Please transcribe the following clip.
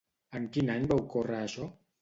En quin any va ocórrer això?